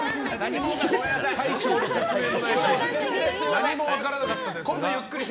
何も分からなかったです。